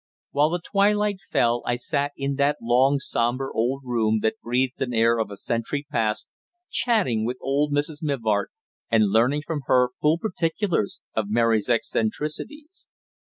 While the twilight fell I sat in that long, sombre old room that breathed an air of a century past, chatting with old Mrs. Mivart, and learning from her full particulars of Mary's eccentricities.